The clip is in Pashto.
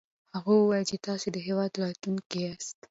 هغه وويل چې تاسې د هېواد راتلونکی ياست.